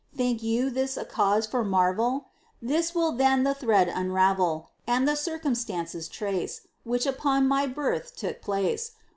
Think you this a cause for marvel? This will then the thread unravel, And the circumstances trace, Which upon my birth took place.